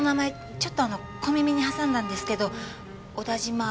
ちょっとあの小耳に挟んだんですけど小田嶋。